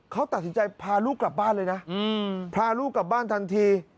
เขาตัดสินใจพาลูกกลับบ้านเลยนะพาลูกกลับบ้านทันที